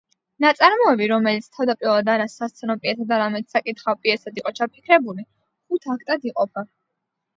ნაწარმოები, რომელიც თავდაპირველად არა სასცენო პიესად, არამედ საკითხავ პიესად იყო ჩაფიქრებული, ხუთ აქტად იყოფა.